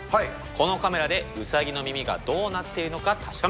このカメラでウサギの耳がどうなっているのか確かめてください。